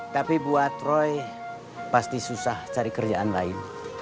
tapi buat roy pasti susah cari kerjaan lain